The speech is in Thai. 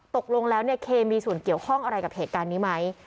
ตกลงแล้วเนี่ยเคมีส่วนเกี่ยวข้องอะไรกับเหตุการณ์นี้ไหม